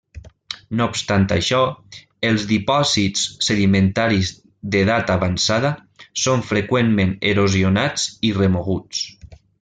No obstant això, els dipòsits sedimentaris d'edat avançada són freqüentment erosionats i remoguts.